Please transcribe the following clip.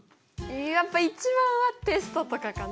やっぱ一番はテストとかかな。